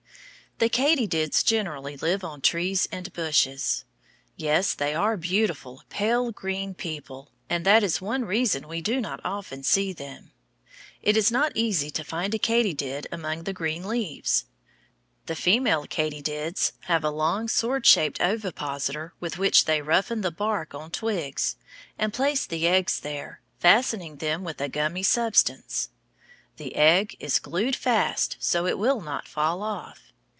The katydids generally live on trees and bushes. Yes, they are a beautiful, pale green people, and that is one reason we do not often see them. It is not easy to find a katydid among the green leaves. The female katydids have a long sword shaped ovipositor with which they roughen the bark on twigs, and place the eggs there, fastening them with a gummy substance. The egg is glued fast so it will not fall off.